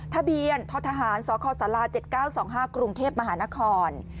ทะเบียนททหารสคศ๗๙๒๕กรุงเทพมหานคร